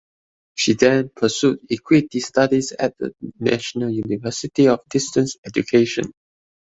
She then pursued equity studies at the National University of Distance Education.